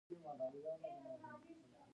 هغه مکتوب چې له بهر څخه راځي.